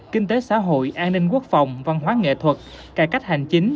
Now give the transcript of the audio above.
kinh tế xã hội an ninh quốc phòng văn hóa nghệ thuật cải cách hành chính